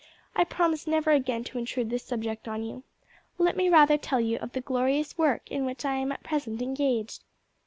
I promise never again to intrude this subject on you. Let me rather tell you of the glorious work in which I am at present engaged."